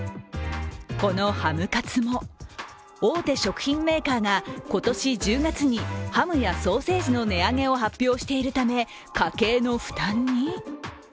このハムカツも大手食品メーカーが今年１０月にハムやソーセージの値上げを発表しているため家計の負担に。